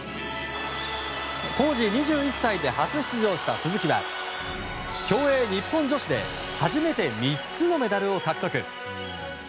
当時２１歳で初出場した鈴木は競泳日本女子で初めて３つのメダルを獲得。